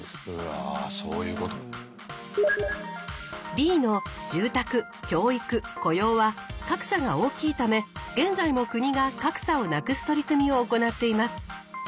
Ｂの住宅教育雇用は格差が大きいため現在も国が格差をなくす取り組みを行っています。